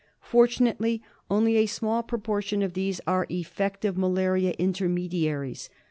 Fortunately, only a small proportion of these are effective malaria intermediaries.